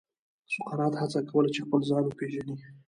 سقراط هڅه کوله چې خپل ځان وپېژني.